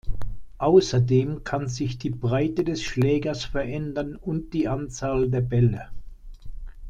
Außerdem kann sich die Breite des Schlägers verändern und die Anzahl der Bälle.